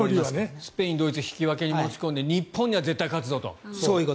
スペイン、ドイツ引き分けに持ち込んで日本には絶対勝つぞと。